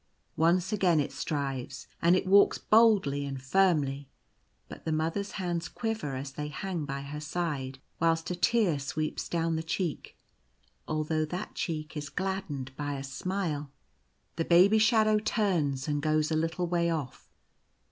Once again it strives, and it walks boldly and firmly ; but the Mother's hands quiver as they hang by her side, whilst a tear sweeps down the cheek, although that cheek is gladdened by a smile. The Baby shadow turns, and goes a little way off.